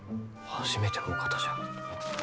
初めてのお方じゃ。